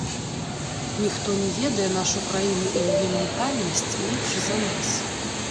Ніхто не ведае нашу краіну і яе ментальнасць лепш за нас!